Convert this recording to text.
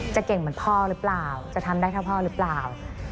เก่งเหมือนพ่อหรือเปล่าจะทำได้เท่าพ่อหรือเปล่า